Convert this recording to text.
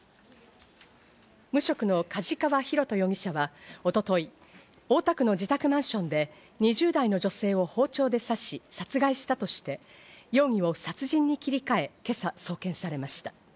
無職の梶川寛人容疑者は、一昨日、大田区の自宅マンションで２０代の女性を包丁で刺し、殺害したとして容疑を殺人に切り替え、今朝送検されました。